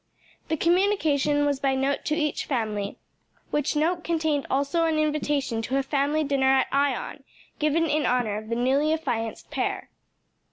The communication was by note to each family, which note contained also an invitation to a family dinner at Ion, given in honor of the newly affianced pair.